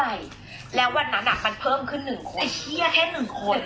ไอระเทศหนึ่งคน